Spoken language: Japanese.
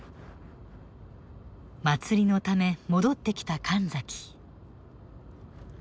祭りのため戻ってきた神崎。